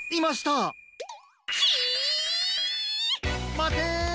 まて！